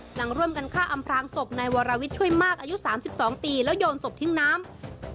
หลังร่วมกันฆ่าอำพลางศพนายวรวิทย์ช่วยมากอายุ๓๒ปีแล้วโยนศพทิ้งน้ำ